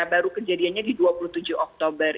baru kejadiannya di dua puluh tujuh oktober